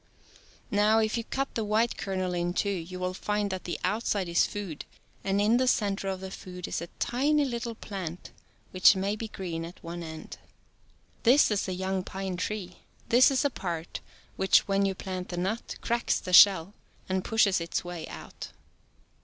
Now, if you cut the white kernel in two, you will find that the outside is food, and in the center of the food is a tiny little plant, which may be green at one end {Fig. 2). 8? This is the young pine tree, this is the part which you plant the nut, cracks the shell, and pushes when its way out.